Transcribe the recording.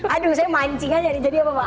aduh saya mancing aja nih jadi apa pak